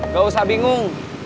gak usah bingung